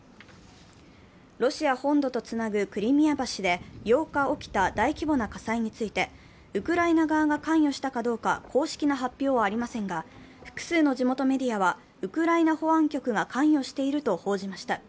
ロシア本土とつなぐクリミア橋で８日起きた大規模な火災についてウクライナ側が関与したかどうか公式な発表はありませんが、複数の地元メディアは、ウクライナ保安局が関与していると報じました。